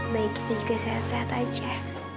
baik kita juga sehat sehat aja